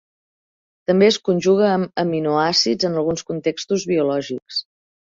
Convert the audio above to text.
També es conjuga amb aminoàcids en alguns contextos biològics.